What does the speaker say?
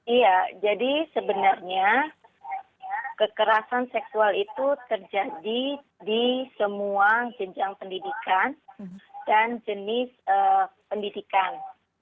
iya jadi sebenarnya kekerasan seksual itu terjadi di semua jenjang pendidikan dan jenis pendidikan